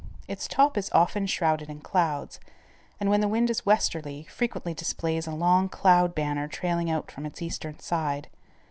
Its top is often shrouded in clouds, and when the wind is westerly, frequently displays a long cloud banner trailing out from its eastern side.